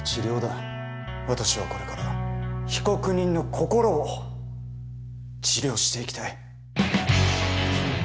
私はこれから被告人の心を治療していきたい。